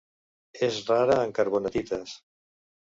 És rara en carbonatites.